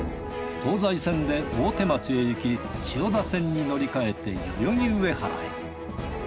東西線で大手町へ行き千代田線に乗り換えて代々木上原へ。